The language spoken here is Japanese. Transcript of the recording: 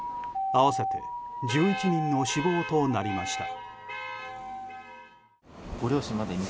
合わせて１１人の死亡となりました。